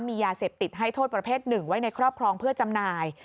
มียาเสพติดให้โทษประเภทหนึ่งไว้ในครอบครองเพื่อจำหน่าย